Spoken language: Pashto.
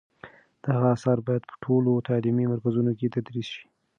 د هغه آثار باید په ټولو تعلیمي مرکزونو کې تدریس شي.